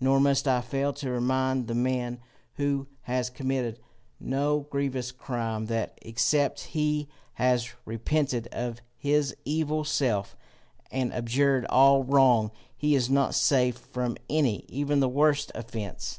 Nor must I fail to remind the man who has committed no grievous crime, that except he has repented of his evil self, and abjured all wrong, he is not safe from any, even the worst offence.